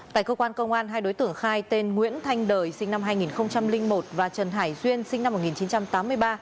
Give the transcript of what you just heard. tại cơ quan công an hai đối tượng khai tên nguyễn thanh đời sinh năm hai nghìn một và trần hải duyên sinh năm một nghìn chín trăm tám mươi ba